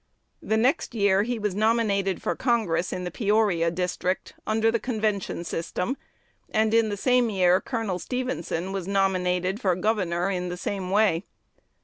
The next year he was nominated for Congress in the Peoria District, under the convention system, and in the same year Col. Stephenson was nominated for Governor in the same way.